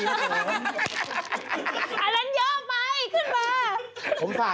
อันนั้นเยอะไปขึ้นมา